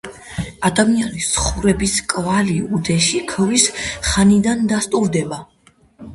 ადამიანის ცხოვრების კვალი უდეში ქვის ხანიდან დასტურდება.